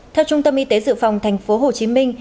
theo trung tâm y tế dự phòng thành phố hồ chí minh